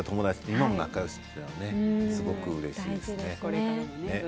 今も仲よしというのはすごくうれしいですね。